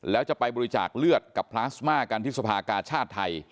แล้วจะไปบริจาคเลือดกับพลาสมากันที่สภากาชาติไทย